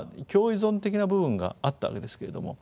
依存的な部分があったわけですけれども。